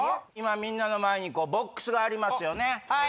今みんなの前にボックスがありますよね。